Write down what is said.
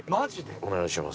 お願いします。